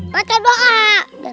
kau tidak bisa tidur